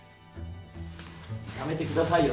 やめてくださいよ。